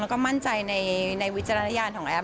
แล้วก็มั่นใจในวิจารณญาณของแอฟ